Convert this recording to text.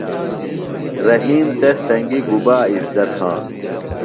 رحیم تس سنگیۡ گُبا اِزدہ تھانوۡ؟